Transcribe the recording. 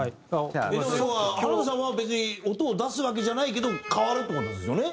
要は原田さんは別に音を出すわけじゃないけど変わるって事ですよね？